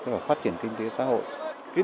và phát triển kinh tế xã hội